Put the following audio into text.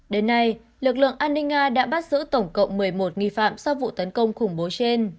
đến nay lực lượng an ninh nga đã bắt giữ tổng cộng một mươi một nghi phạm sau vụ tấn công khủng bố trên